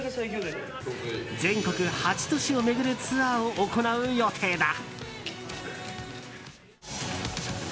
全国８都市を巡るツアーを行う予定だ。